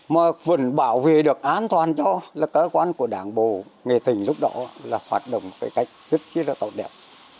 mà vẫn bảo vệ được an toàn cho là cơ quan của đảng bộ nghệ thịnh lúc đó là hoạt động cái cách rất là tốt đẹp